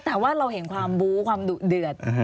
แต่ว่าเราเห็นความบู้ความดุเดือด